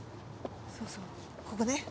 そうそうここね。